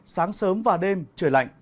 sáng sớm và đêm trời lạnh